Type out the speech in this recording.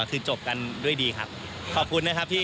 คือจบกันด้วยดีครับขอบคุณนะครับที่